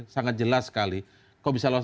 sangat jelas sekali kok bisa lolos